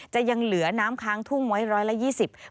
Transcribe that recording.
จะยังเหลือน้ำค้างทุ่งไว้๑๒๐ล้านลูกบาท